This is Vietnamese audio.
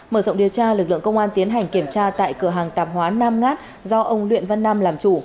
mở rộng điều tra lực lượng công an tiến hành kiểm tra tại cửa hàng tạp hóa nam ngát do ông luyện văn nam làm chủ